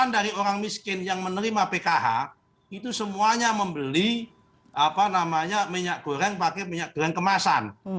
delapan dari orang miskin yang menerima pkh itu semuanya membeli minyak goreng pakai minyak goreng kemasan